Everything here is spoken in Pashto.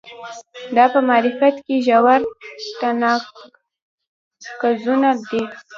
دا په معرفت کې ژور تناقضونه دي.